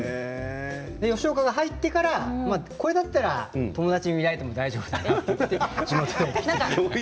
吉岡が入ってからこれだったら友達に見られても大丈夫ということで。